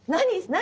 何？